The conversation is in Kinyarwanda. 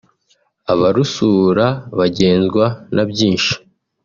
Abarusura bagenzwa na byinshi